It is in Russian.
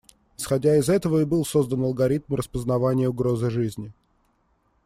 Исходя из этого и был создан алгоритм распознавания угрозы жизни.